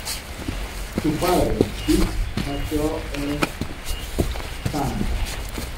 Su padre, Dick, nació en St.